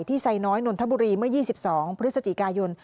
ไซน้อยนนทบุรีเมื่อ๒๒พฤศจิกายน